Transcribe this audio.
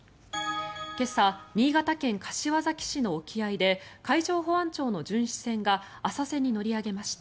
今朝、新潟県柏崎市の沖合で海上保安庁の巡視船が浅瀬に乗り上げました。